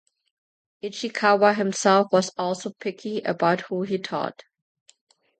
Ichikawa himself was also picky about who he taught.